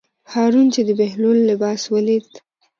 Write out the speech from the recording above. هارون چې د بهلول لباس ولید.